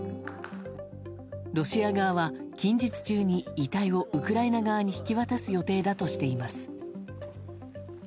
ロシア側は近日中に遺体をウクライナ側に引き渡す予定だとしています。